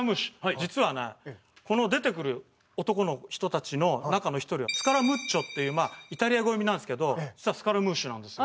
実はねこの出てくる男の人たちの中の１人はスカラムッチョっていうイタリア語読みなんですけどスカラムーシュなんですよ。